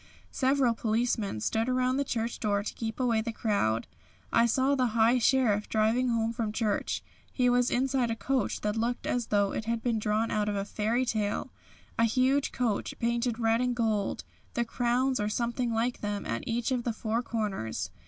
Several policemen stood around the church door to keep away the crowd. I saw the High Sheriff driving home from church. He was inside a coach that looked as though it had been drawn out of a fairy tale a huge coach painted red and gold, with crowns or something like them at each of the four corners.